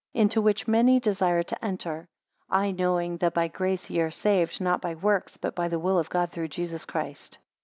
5 Into which many desire to enter; I knowing that by grace ye are saved; not by works, but by the will of God through Jesus Christ.